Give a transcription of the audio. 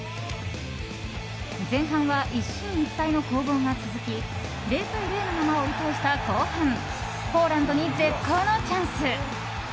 前半は一進一退の攻防が続き０対０のまま折り返した後半ポーランドに絶好のチャンス。